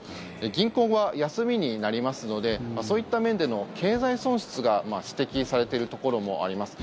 銀行が休みになりますのでそういった面での経済損失が指摘されているところもあります。